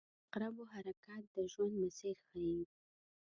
• د عقربو حرکت د ژوند مسیر ښيي.